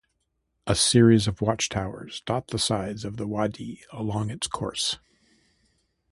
A series of watchtowers dot the sides of the wadi along its course.